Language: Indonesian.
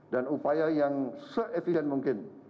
dan upaya yang se evident mungkin